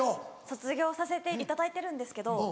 卒業させていただいてるんですけど。